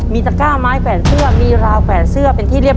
ครอบครัวของแม่ปุ้ยจังหวัดสะแก้วนะครับ